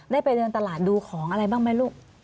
ได้ไปเดินตลาดดูของอะไรบ้างไหมลูก